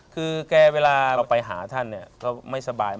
คือแกเวลาเราไปหาท่านเนี่ยก็ไม่สบาย